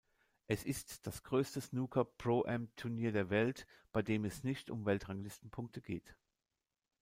Es ist das größte Snooker-Pro-Am-Turnier der Welt, bei dem es nicht um Weltranglistenpunkte geht.